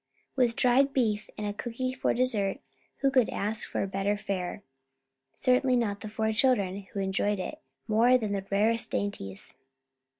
With dried beef, and a cookie for dessert, who could ask for better fare? Certainly not the four children, who enjoyed it more than the rarest dainties.